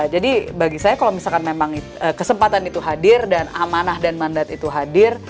jadi bagi saya kalau memang kesempatan itu hadir dan amanah dan mandat itu hadir